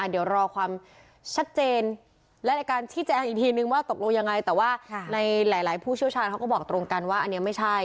เดี๋ยวรอความชัดเจนและในการชี้แจงอีกทีนึงว่าตกลงยังไงแต่ว่าในหลายผู้เชี่ยวชาญเขาก็บอกตรงกันว่าอันนี้ไม่ใช่